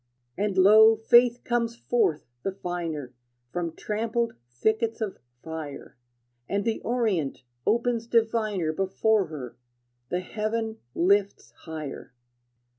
And lo, Faith comes forth the finer From trampled thickets of fire, And the orient opens diviner Before her; the heaven lifts higher.